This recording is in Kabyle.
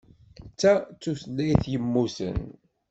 Ta d tutlayt yemmuten.